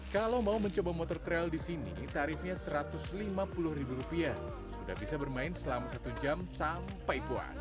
kalau mau mencoba motor trail di sini tarifnya rp satu ratus lima puluh sudah bisa bermain selama satu jam sampai puas